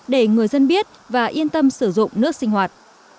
để người dân biết và yên tâm sử dụng nước sinh hoạt